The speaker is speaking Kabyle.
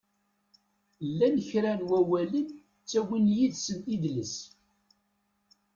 Llan kra n wawalen ttawin yid-sen idles.